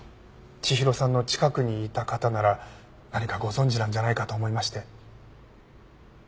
千尋さんの近くにいた方なら何かご存じなんじゃないかと思いまして。